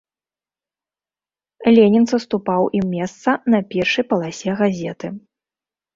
Ленін саступаў ім месца на першай паласе газеты.